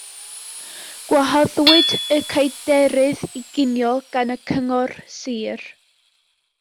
Gwahoddwyd y cadeirydd i ginio gan y Cyngor Sir